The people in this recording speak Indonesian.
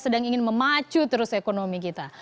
sedang ingin memacu terus ekonomi kita